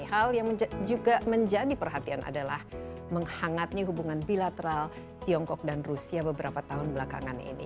hal yang juga menjadi perhatian adalah menghangatnya hubungan bilateral tiongkok dan rusia beberapa tahun belakangan ini